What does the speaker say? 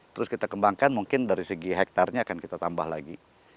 terus kita kembangkan mungkin dari segi hektarnya akan kita tambah lagi